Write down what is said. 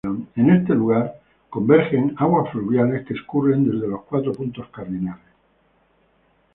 En este lugar convergen aguas fluviales que escurren desde los cuatro puntos cardinales.